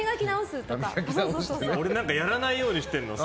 俺、やらないようにしてるの。